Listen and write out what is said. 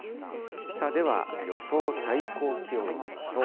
では、予想最高気温を見ましょう。